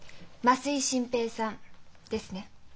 増井新平さんですね？